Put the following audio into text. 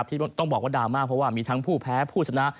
ที่ต้องบอกว่าดราม่าเพราะว่ามีทั้งผู้แพ้ผู้ชนะ